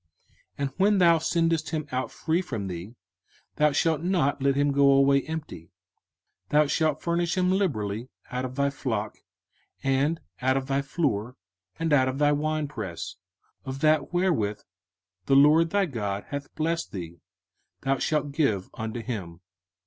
05:015:013 And when thou sendest him out free from thee, thou shalt not let him go away empty: 05:015:014 Thou shalt furnish him liberally out of thy flock, and out of thy floor, and out of thy winepress: of that wherewith the LORD thy God hath blessed thee thou shalt give unto him.